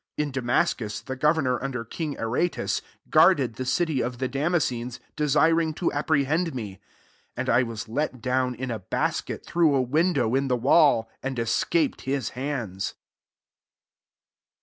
32 In Damascus, the gover nor utider king Aretas guarded the city of the Damascenes, [desiring] to apprehend me: 33 and I was let down, in a basket, through a window in the wall ; and escaped his hands.